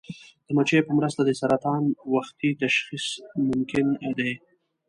د مچیو په مرسته د سرطان وختي تشخیص ممکن دی.